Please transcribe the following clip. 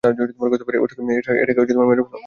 এটাকে মেরে ফেল।